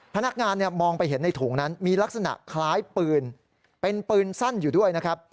พนักงานมองไปเห็นในถุงนั้นมีลักษณะคล้ายปืนเป็นปืนสั้นอยู่ด้วยนะครับ